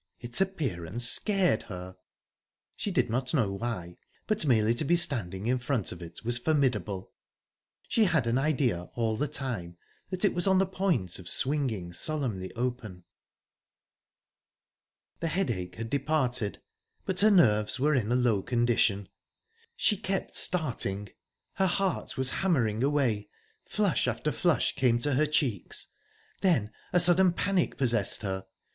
Its appearance scared her. She did not know why, but merely to be standing in front of it was formidable. She had an idea all the time that it was on the point of swinging solemnly open. The headache had departed, but her nerves were in a low condition. She kept starting; her heart was hammering away; flush after flush came to her cheeks. Then a sudden panic possessed her.